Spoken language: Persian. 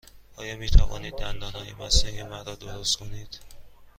آیا می توانید دندانهای مصنوعی مرا درست کنید؟